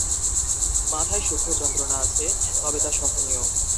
মাথায় সূক্ষ্ম যন্ত্রণা আছে, তবে তা সহনীয়।